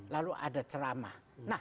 lalu ada ceramah